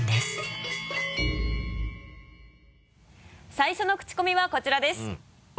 最初のクチコミはこちらです。